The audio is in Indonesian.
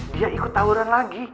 dia ikut tawuran lagi